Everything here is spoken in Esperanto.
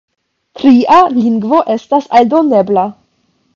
Tria lingvo estas aldonebla.